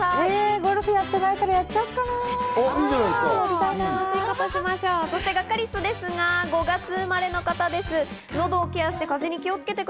ゴルフやってないからやっちそしてガッカりすは５月生まれの方です。